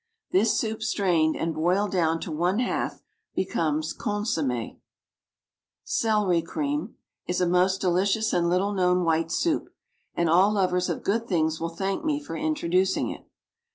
This soup strained, and boiled down to one half, becomes consommé. CELERY CREAM is a most delicious and little known white soup, and all lovers of good things will thank me for introducing it.